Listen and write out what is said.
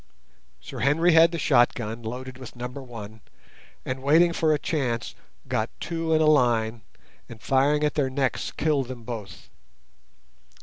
Sir Henry had the shot gun, loaded with No. 1, and, waiting for a chance, got two in a line, and, firing at their necks, killed them both.